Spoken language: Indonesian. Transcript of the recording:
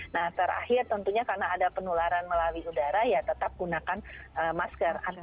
nah terakhir tentunya karena ada penularan melalui udara ya tetap gunakan masker